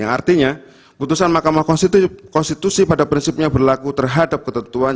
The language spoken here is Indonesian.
artinya putusan mahkamah konstitusi pada prinsipnya berlaku terhadap ketentuan